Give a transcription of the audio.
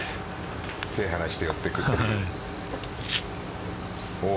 手を離して、持っていく。